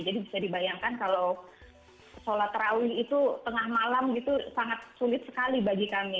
jadi bisa dibayangkan kalau solat terawih itu tengah malam gitu sangat sulit sekali bagi kami